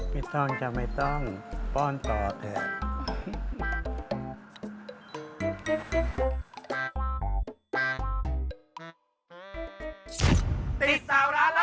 ต้องจะไม่ต้องป้อนต่อเถอะ